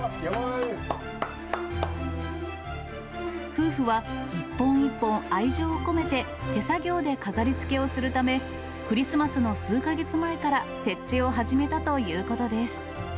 夫婦は一本一本愛情を込めて、手作業で飾りつけをするため、クリスマスの数か月前から設置を始めたということです。